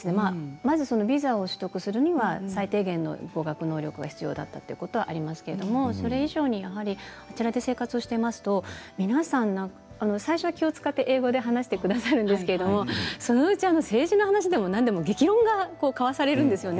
まずビザを取得するためには最低限の語学能力が必要だったということがありますけどそれ以上にあちらで生活をしていますと皆さん、最初は気を遣って英語で話してくださるんですけれどもそのうち政治の話でも何でも激論が交わされるんですね。